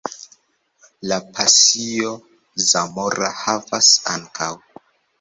La Pasio zamora havas, ankaŭ.